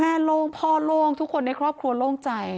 โล่งพ่อโล่งทุกคนในครอบครัวโล่งใจ